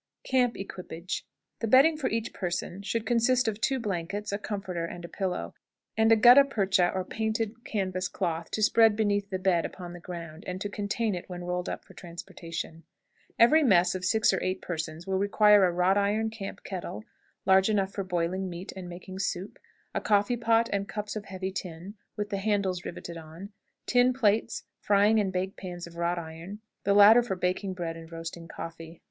CAMP EQUIPAGE. The bedding for each person should consist of two blankets, a comforter, and a pillow, and a gutta percha or painted canvas cloth to spread beneath the bed upon the ground, and to contain it when rolled up for transportation. Every mess of six or eight persons will require a wrought iron camp kettle, large enough for boiling meat and making soup; a coffee pot and cups of heavy tin, with the handles riveted on; tin plates, frying and bake pans of wrought iron, the latter for baking bread and roasting coffee.